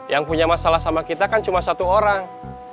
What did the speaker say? yang punya masalah sama kita kan cuma satu orang